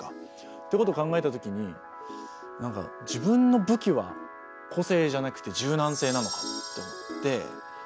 っていうことを考えたときに何か自分の武器は個性じゃなくて柔軟性なのかもと思って。